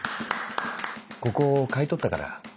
ここ買い取ったから。